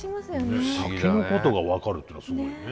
先のことが分かるっていうのがすごいよね。